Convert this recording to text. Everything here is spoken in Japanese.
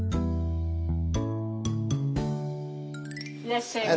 いらっしゃいませ。